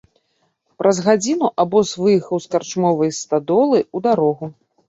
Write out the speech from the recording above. Праз гадзіну абоз выехаў з карчомнай стадолы ў дарогу.